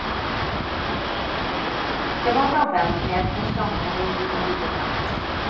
Dyma'r nofel fwyaf personol o'i eiddo hyd yma.